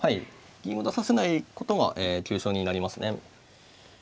銀を出させないことは急所になりますね。